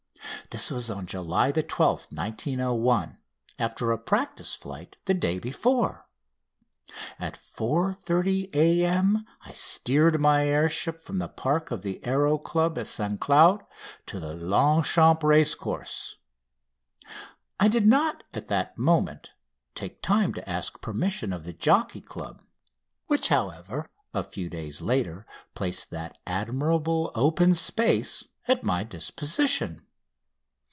This was on July 12th, 1901, after a practice flight the day before. At 4.30 A.M. I steered my air ship from the park of the Aéro Club at St Cloud to the Longchamps racecourse. I did not at that moment take time to ask permission of the Jockey Club, which, however, a few days later placed that admirable open space at my disposition.